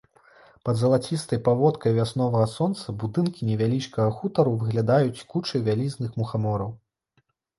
Пад залацістай паводкай вясновага сонца будынкі невялічкага хутару выглядаюць кучай вялізных мухамораў.